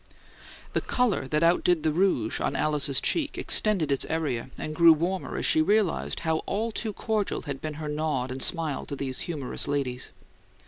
The colour that outdid the rouge on Alice's cheek extended its area and grew warmer as she realized how all too cordial had been her nod and smile to these humorous ladies.